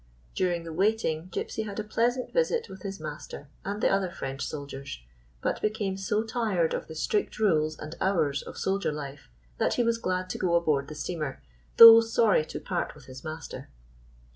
During the waiting Gypsy had a pleasant visit with his master and the other French soldiers, but became so tired of the strict rules and hours of soldier life that he was glad to go aboard of the steamer, though sorry to part with his master.